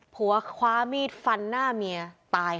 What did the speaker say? ผัวคว้ามีดฟันหน้าเมียตายค่ะ